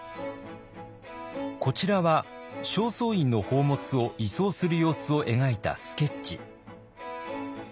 こちらは正倉院の宝物を移送する様子を描いたスケッチ。